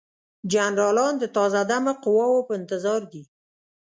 جنرالان د تازه دمه قواوو په انتظار دي.